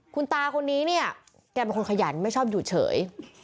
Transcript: คุณตาคนนี้เนี่ยแกเป็นคนขยันไม่ชอบอยู่เฉย